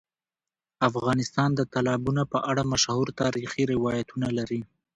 افغانستان د تالابونه په اړه مشهور تاریخی روایتونه لري.